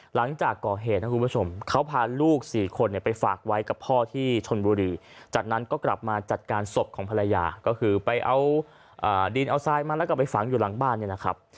หลังจากก่อเหตุนะคุณผู้ชมเขาพาลูกสี่คนเนี่ยไปฝากไว้กับพ่อที่ชนบุรีจากนั้นก็กลับมาจัดการศพของภรรยาก็คือไปเอาดินเอาทรายมาแล้วก็ไปฝังอยู่หลังบ้านเนี่ยนะครับ